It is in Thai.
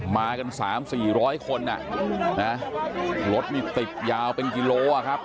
มากันสามสี่ร้อยคนอ่ะนะรถนี่ติดยาวเป็นกิโลอ่ะครับ